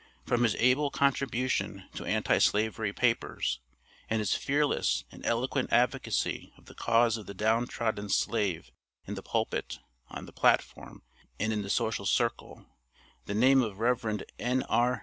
From his able contribution to Anti slavery papers, and his fearless and eloquent advocacy of the cause of the down trodden slave in the pulpit, on the platform, and in the social circle, the name of Rev. N.R.